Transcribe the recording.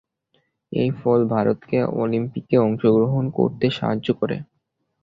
এই ফল ভারতকে অলিম্পিকে অংশগ্রহণ করতে সাহায্য করে।